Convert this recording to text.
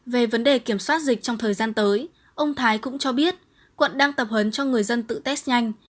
về vấn đề kiểm soát dịch trong thời gian tới ông thái cũng cho biết quận đang tập huấn cho người dân tự test nhanh